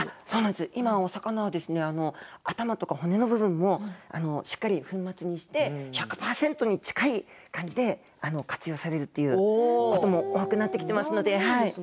今、お魚は頭とか骨の部分もしっかり粉末にして１００％に近い感じで活用されるということも多くなってきていますので。